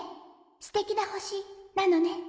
すてきな星なのね。